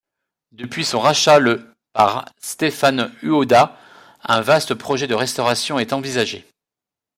Depuis son rachat le par Stéphan Uhoda, un vaste projet de restauration est envisagé.